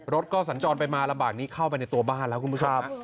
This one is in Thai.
รถก็สัญจรไปมาลำบากนี้เข้าไปในตัวบ้านแล้วคุณผู้ชมฮะ